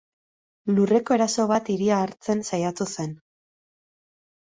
Lurreko eraso bat hiria hartzen saiatu zen.